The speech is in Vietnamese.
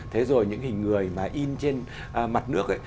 thế rồi những hình người mà in trên mặt nước ấy